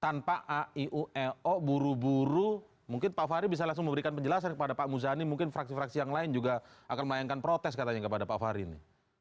tanpa aiuo buru buru mungkin pak fahri bisa langsung memberikan penjelasan kepada pak muzani mungkin fraksi fraksi yang lain juga akan melayangkan protes katanya kepada pak fahri ini